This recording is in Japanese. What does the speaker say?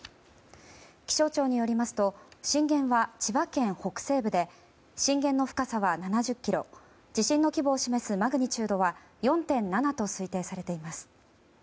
気象庁によりますと震源は千葉県北西部で震源の深さは７０ｋｍ地震の規模を示すマグニチュードは４．７と推定されています。